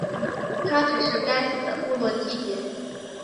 它们只是该死的部落祭典。